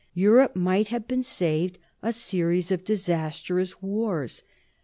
Europe might have been saved a series of disastrous wars.